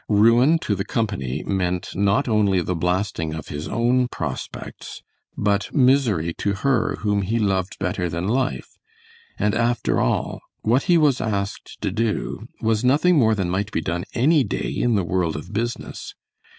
Ruin to the company meant not only the blasting of his own prospects, but misery to her whom he loved better than life; and after all, what he was asked to do was nothing more than might be done any day in the world of business.